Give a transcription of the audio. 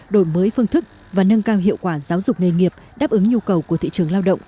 đổi mới phương thức và nâng cao hiệu quả giáo dục nghề nghiệp đáp ứng nhu cầu của thị trường lao động